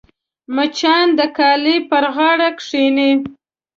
مچان د کالي پر غاړه کښېني